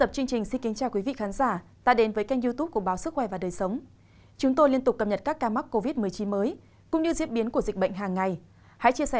các bạn hãy đăng ký kênh để ủng hộ kênh của chúng mình nhé